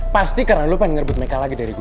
pasti karena lu pengen ngerebut mereka lagi dari gue